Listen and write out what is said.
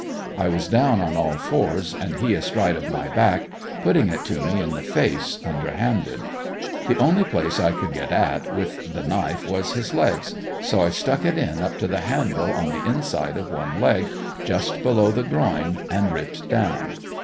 I was down on all fours and he astride of my back putting it to me in the face, underhanded. The only place I could get at with the knife was his legs, so I stuck it in up to the handle, on the inside of one leg, just below the groin and ripped down.